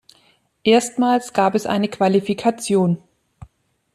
Erstmals gab es eine Qualifikation.